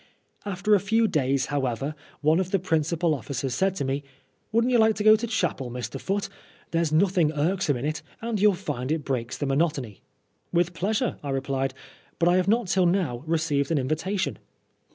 After a few days, however, one of the principal ofScers said to me " Wouldn't you like to go to chapel, Mr. Foote. There's nothing irksome in itj and youll find it breaks the monotony." " With pleasure," I replied, " but I have not till now received an invitation."